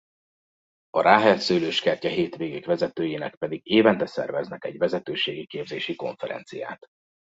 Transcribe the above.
A Ráhel Szőlőskertje hétvégék vezetőinek pedig évente szerveznek egy vezetőségi képzési konferenciát.